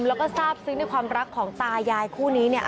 แล้วก็ทราบซึ้งในความรักของตายายคู่นี้เนี่ย